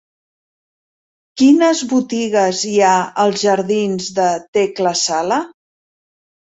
Quines botigues hi ha als jardins de Tecla Sala?